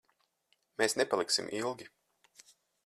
Mēs nepaliksim ilgi.